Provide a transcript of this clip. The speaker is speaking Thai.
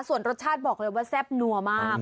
ส่วนรสชาติบอกเลยว่าแซ่บนัวมาก